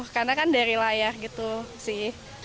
karena kan dari layar gitu sih